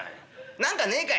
何かねえかい？」。